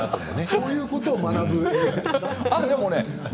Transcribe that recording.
そういうことを学ぶ映画ですか？